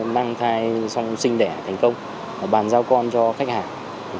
sau đó xin đẻ thành công bàn giao con cho khách hàng